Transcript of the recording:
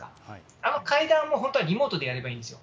あの会談も、本当はリモートでやればいいんですよ。